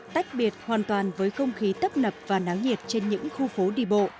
tách biệt hoàn toàn với công khí tấp nập và náng nhiệt trên những khu phố đi bộ